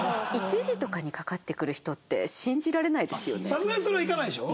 さすがにそれは行かないでしょ？